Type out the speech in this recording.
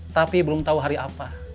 tapi belum tahu hari apa